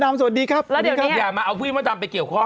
ถ้าสมมติหล่อนเก็บความอำให้หิตหล่อนไว้สักที